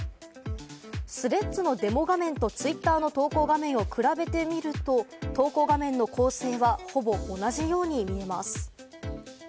スレッズのデモ画面とツイッターの投稿画面を比べてみると、投稿画面の構成はほぼ同じように見えます。